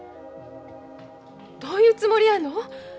どういうつもりやの？